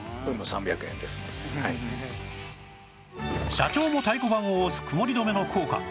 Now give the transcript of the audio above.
社長も太鼓判を押す曇り止めの効果